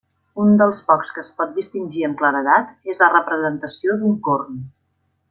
Un dels pocs que es pot distingir amb claredat és la representació d'un corn.